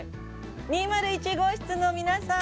２０１号室の皆さん！